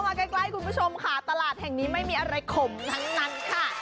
มาใกล้คุณผู้ชมค่ะตลาดแห่งนี้ไม่มีอะไรขมทั้งนั้นค่ะ